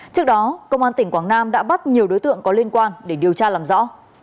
trước đó công an tỉnh quảng nam đã bắt nhiều đối tượng có liên quan để điều tra làm rõ